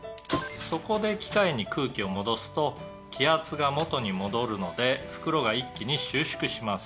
「そこで機械に空気を戻すと気圧が元に戻るので袋が一気に収縮します」